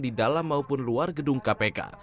di dalam maupun luar gedung kpk